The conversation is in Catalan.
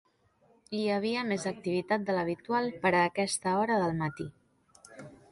Hi havia més activitat de l'habitual per a aquesta hora del matí.